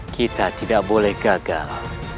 kita tidak boleh gagal